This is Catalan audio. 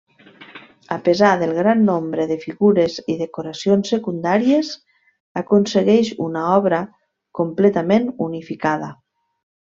A pesar del gran nombre de figures i decoracions secundàries aconsegueix una obra completament unificada.